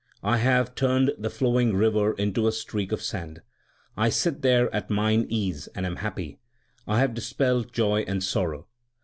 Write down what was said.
I have turned the flowing river into a streak of sand. 2 I sit there at mine ease and am happy. 3 I have dispelled joy and sorrow.